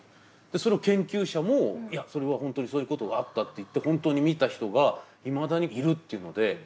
それを研究者もいやそれは本当にそういうことがあったって言って本当に見た人がいまだにいるっていうので。